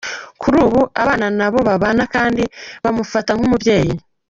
Kuri ubu abana n’abo bana kandi nabo bamufata nk’umubyeyi.